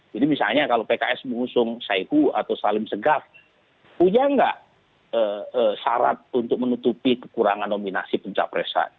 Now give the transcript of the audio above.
jadi misalnya kalau pks mengusung saiku atau salim segar punya nggak syarat untuk menutupi kekurangan nominasi pencapresan